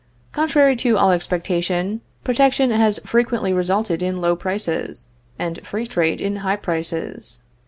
Contrary to all expectation, protection has frequently resulted in low prices, and free trade in high prices.